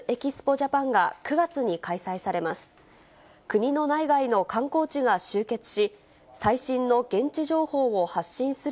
ジャパンが９月に開催されます。